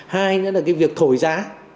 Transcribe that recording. hai nữa là cái việc thổi giá